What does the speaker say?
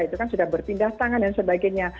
itu kan sudah berpindah tangan dan sebagainya